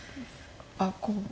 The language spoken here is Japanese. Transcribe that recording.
あっここ。